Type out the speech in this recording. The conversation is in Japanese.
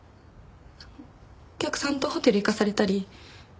お客さんとホテル行かされたり。